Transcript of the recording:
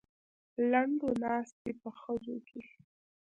لنډو ناست دی په خزو کې.